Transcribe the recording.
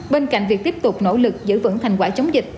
bên cạnh việc tiếp tục nỗ lực giữ vững thành quả chống dịch